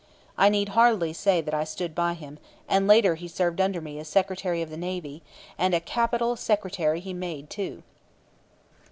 I need hardly say that I stood by him; and later he served under me as Secretary of the Navy, and a capital Secretary he made too.